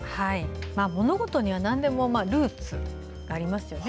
物事にはなんでもルーツがありますよね。